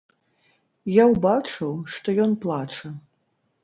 Я ўбачыў, што ён плача.